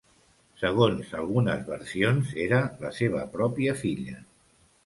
Segons algunes versions era la seva pròpia filla.